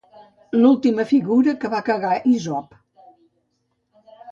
L'última figura que va cagar Isop.